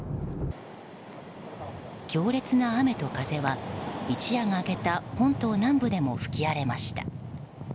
強烈な雨と風は、一夜が明けた本島南部でも吹き荒れました。